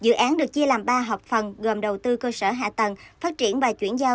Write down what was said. dự án được chia làm ba hợp phần gồm đầu tư cơ sở hạ tầng phát triển và chuyển giao